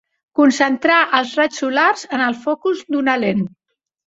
Concentrar els raigs solars en el focus d'una lent.